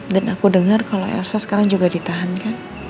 dan aku dengar kalau elsa sekarang juga ditahan kan